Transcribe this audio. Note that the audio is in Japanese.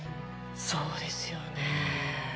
そうですよね。